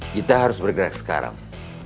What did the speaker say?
kita harus bergerak sekarang